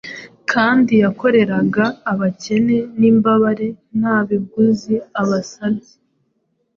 kandi yakoreraga abakene n’imbabare nta biguzi abasabye.